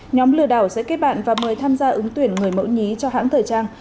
nhóm lừa đảo sẽ kết bạn và mời tham gia ứng tuyển người mẫu nhí cho hãng thời trang